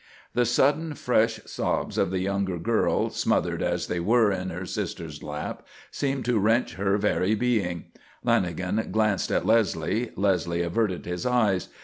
The sudden fresh sobs of the younger girl, smothered as they were in her sister's lap, seemed to wrench her very being. Lanagan glanced at Leslie; Leslie averted his eyes.